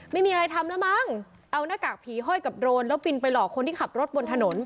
ไม่มีอะไรทำแล้วมั้งเอาหน้ากากผีห้อยกับโรนแล้วบินไปหลอกคนที่ขับรถบนถนน